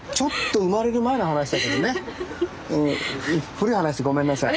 古い話でごめんなさい。